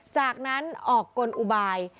จากนั้นออกกลอุบาย